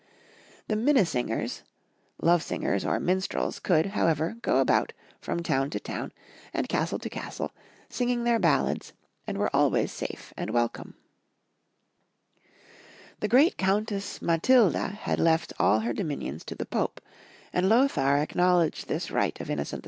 The minne singers, love singers, or minstrels could, however, go about from town to town and castle to castle singing their baUads, and were always safe and welconfe. I^THAR II. LEADING THE POPE'S HORSE. Konrad III. 121 The great Countess Matildia had left all her do minions to the Pope, and Lothar acknowledged this right of Innocent II.